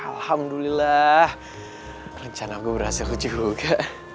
alhamdulillah rencana gue berhasil juga